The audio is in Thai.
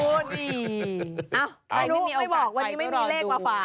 ไม่บอกว่าวันนี้ไม่มีเลขมาฝ่า